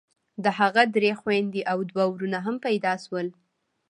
د هغه درې خويندې او دوه ورونه هم پيدا سول.